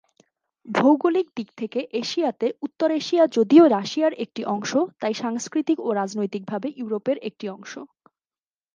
ভৌগোলিক দিক থেকে এশিয়াতে উত্তর এশিয়া যদিও রাশিয়ার একটি অংশ, তাই সাংস্কৃতিক ও রাজনৈতিকভাবে ইউরোপের একটি অংশ।